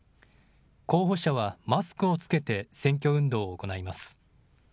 候補者はマスクを着けて選挙運動を行います。